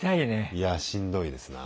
いやしんどいですな。